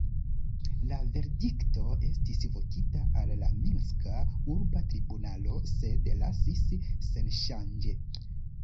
La verdikto estis vokita al la Minska urba tribunalo, sed lasis senŝanĝe.